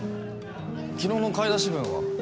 昨日の買い出し分は？